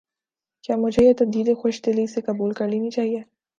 کیا مجھے یہ تبدیلی خوش دلی سے قبول کر لینی چاہیے؟